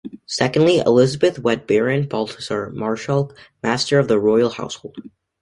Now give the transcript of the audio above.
Secondly, Elizabeth wed Baron Baltasar Marskalk, Master of the Royal Household.